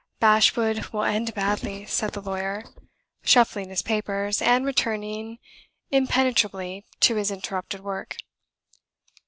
"Bashwood will end badly," said the lawyer, shuffling his papers, and returning impenetrably to his interrupted work.